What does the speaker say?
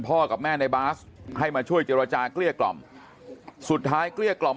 กับแม่ในบาสให้มาช่วยเจรจาเกลี้ยกล่อมสุดท้ายเกลี้ยกล่อม